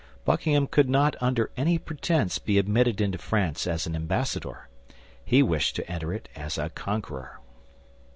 Buckingham could not under any pretense be admitted into France as an ambassador; he wished to enter it as a conqueror.